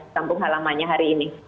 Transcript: sampung halamanya hari ini